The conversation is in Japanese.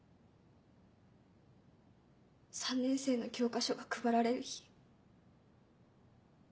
３年生の教科書が配られる日。